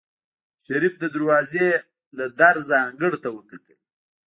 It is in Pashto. شريف د دروازې له درزه انګړ ته وکتل.